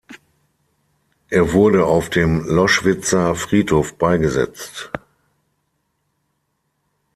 Er wurde auf dem Loschwitzer Friedhof beigesetzt.